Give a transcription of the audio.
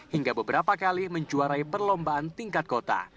hingga beberapa kali menjuarai perlombaan tingkat kota